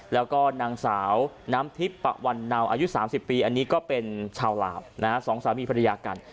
แล้วก็นางสาวน้ำทิพย์ปะวันเนาอายุ๓๐ปีอันนี้ก็เป็นชาวลาวนะฮะสองสามีภรรยากัน